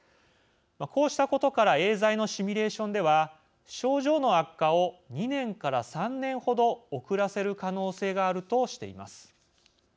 こうしたことからエーザイのシミュレーションでは症状の悪化を２年から３年程遅らせる可能性があるとしています。